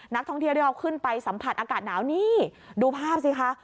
นักท่องเที่ยวที่เราขึ้นไปสัมผัสอากาศหนาวนี่ดูภาพสิคะ